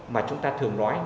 mà chúng ta thường nói